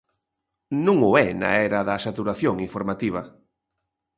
Non o é na era da saturación informativa.